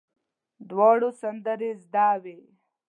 دواړو سندرې زده وې.